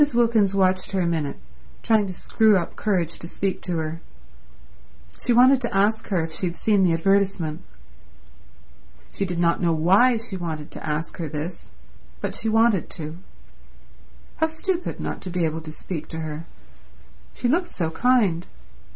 Wilkins watched her a minute, trying to screw up courage to speak to her. She wanted to ask her if she had seen the advertisement. She did not know why she wanted to ask her this, but she wanted to. How stupid not to be able to speak to her. She looked so kind.